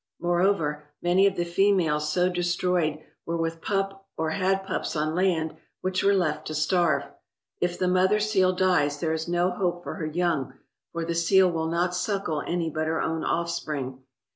More over, many of the females so destroyed were with pup or had pups on land which were left to starve. If the mother seal dies, there i$ no hope for her young, for the seal will not suckle any but her own offspring.